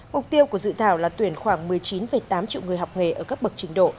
mục tiêu của dự thảo là tuyển khoảng một mươi chín tám triệu người học nghề ở các bậc trình độ